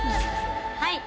はい！